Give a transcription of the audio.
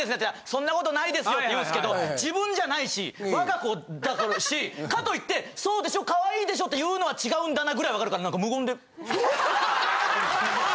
「そんなことないですよ」って言うんすけど自分じゃないし我が子だろうしかといって「そうでしょ。可愛いでしょ」って言うのは違うんだなぐらいは分かるからなんか。